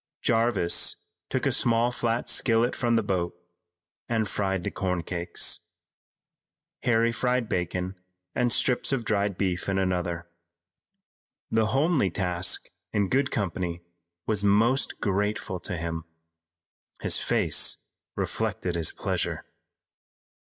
Jarvis took a small flat skillet from the boat and fried the corn cakes. Harry fried bacon and strips of dried beef in another. The homely task in good company was most grateful to him. His face reflected his pleasure.